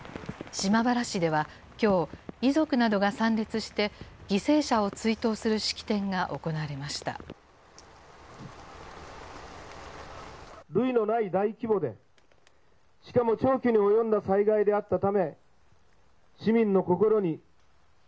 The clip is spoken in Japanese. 島原市ではきょう、遺族などが参列して、犠牲者を追悼する式典が行われました。